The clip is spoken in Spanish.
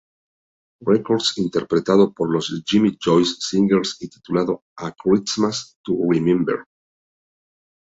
Records interpretado por los Jimmy Joyce Singers y titulado "A Christmas to Remember".